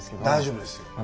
大丈夫ですよ。